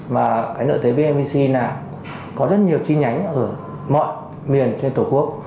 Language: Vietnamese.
và cái nợ thế vnvc là có rất nhiều chi nhánh ở mọi miền trên tổ quốc